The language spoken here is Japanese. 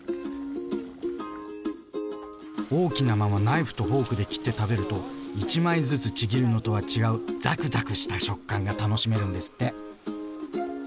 大きなままナイフとフォークで切って食べると１枚ずつちぎるのとは違うざくざくした食感が楽しめるんですって。